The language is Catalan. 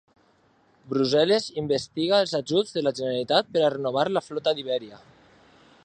Brussel·les investiga els ajuts de la Generalitat per a renovar la flota d'Iberia.